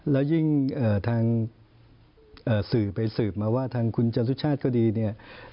แล้วยิ่งทางสื่อไปสืบมาว่าทางคุณจรุชาติก็ดีเนี่ย